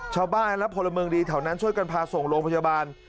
ชาวบ้านและพลเมืองดีแถวนั้นช่วยกันพาส่งโรงพยาบาล